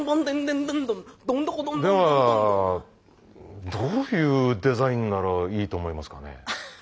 ではどういうデザインならいいと思いますかね？